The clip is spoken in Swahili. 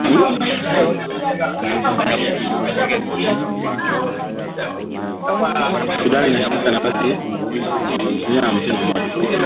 Sudan inashika nafasi ya mia moja hamsini na moja